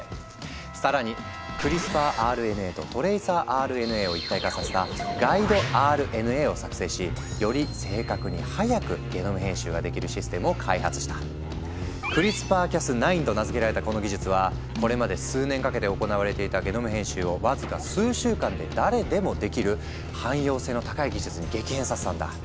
更にクリスパーＲＮＡとトレイサーＲＮＡを一体化させた「ガイドＲＮＡ」を作成しより正確に早くゲノム編集ができるシステムを開発した。と名付けられたこの技術はこれまで数年かけて行われていたゲノム編集をわずか数週間で誰でもできる汎用性の高い技術に激変させたんだ。